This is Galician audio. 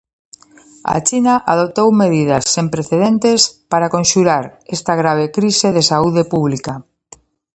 A China adoptou medidas sen precedentes para conxurar esta grave crise de saúde pública.